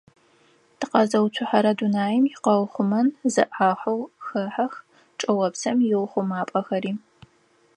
Тыкъэзыуцухьэрэ дунаим икъэухъумэн зы ӏахьэу хэхьэх чӏыопсым иухъумапӏэхэри.